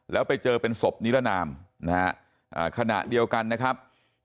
แล้วไปเจอเป็นศพนิรนามนะฮะขณะเดียวกันนะครับ